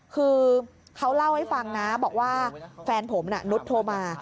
คือเขาเล่าให้ฟังนะบอกว่าแฟนผมน่ะนุษย์โทรมา